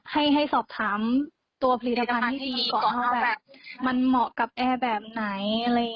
ให้สอบถามตัวผลิตภัณฑ์ให้ดีกว่ามันเหมาะกับแอร์แบบไหน